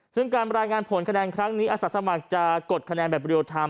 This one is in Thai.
ซึ่งการรายงานผลคะแนนครั้งนี้อาสาสมัครจะกดคะแนนแบบเรียลไทม